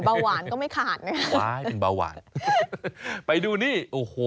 เบาหวานก็ไม่ขาดนะคะซ้ายเป็นเบาหวานไปดูนี่โอ้โห